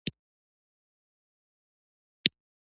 په بله لاره فکر نه کوم چې را بهر یې کړو.